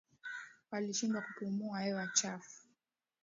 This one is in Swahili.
Walishindwa kupumua hewa chafu